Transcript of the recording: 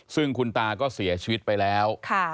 ซึ่งคุณตาก็เสียชีวิตไปแล้ว